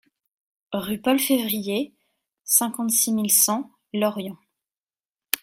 Rue Paul Février, cinquante-six mille cent Lorient